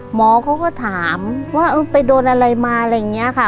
หมอเขาก็ถามว่าไปโดนอะไรมาอะไรอย่างนี้ค่ะ